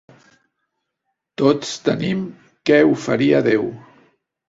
Tots tenim què oferir a Déu.